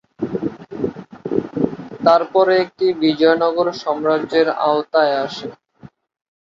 তারপরে এটি বিজয়নগর সাম্রাজ্যের আওতায় আসে।